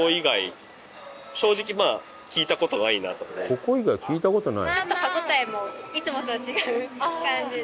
ここ以外聞いた事ない？